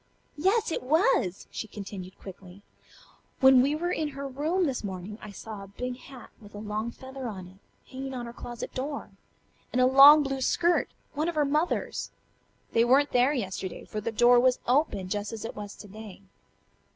Yes, it was!" she continued quickly. "When we were in her room this morning I saw a big hat with a long feather on it, hanging on her closet door, and a long blue skirt, one of her mother's. They weren't there yesterday, for the door was open, just as it was to day."